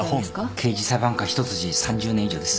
刑事裁判官一筋３０年以上です。